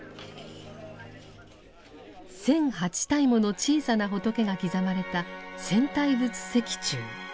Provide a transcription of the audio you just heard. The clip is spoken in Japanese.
１，００８体もの小さな仏が刻まれた千体仏石柱。